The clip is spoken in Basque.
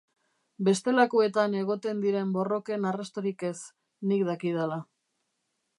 Bestelakoetan egoten diren borroken arrastorik ez, nik dakidala.